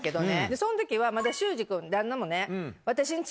その時はまだ修士君旦那もね。